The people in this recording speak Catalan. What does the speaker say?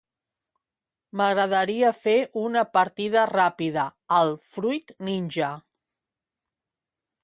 M'agradaria fer una partida ràpida al "Fruit ninja".